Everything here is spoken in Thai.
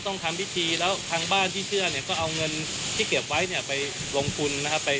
ต้องทำพิธีแล้วทางบ้านที่เชื่อเนี่ยก็เอาเงินที่เก็บไว้เนี่ยไปลงทุนนะครับ